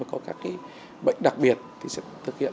có các bệnh đặc biệt sẽ thực hiện